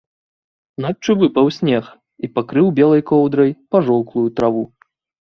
Ноччу выпаў снег і пакрыў белай коўдрай пажоўклую траву.